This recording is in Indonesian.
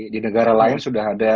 di negara lain sudah ada